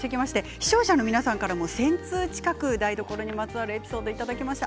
視聴者の皆さんからも１０００通近く台所にまつわるエピソードをいただきました。